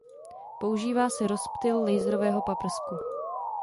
Používá se rozptyl laserového paprsku.